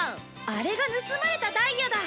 あれが盗まれたダイヤだ！